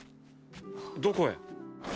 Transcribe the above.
どこへ？